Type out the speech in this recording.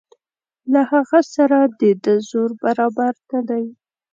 له هغه سره د ده زور برابر نه دی.